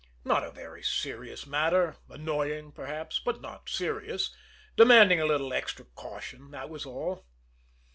Not a very serious matter; annoying, perhaps, but not serious, demanding a little extra caution, that was all.